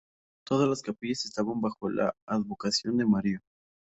Todas las capillas estaban bajo la advocación de María.